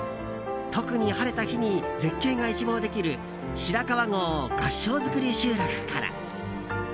特に晴れた日に絶景が一望できる白川郷合掌造り集落から。